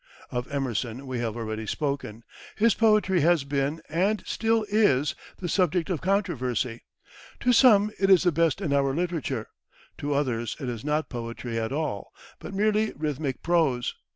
Of Emerson we have already spoken. His poetry has been, and still is, the subject of controversy. To some, it is the best in our literature; to others, it is not poetry at all, but merely rhythmic prose.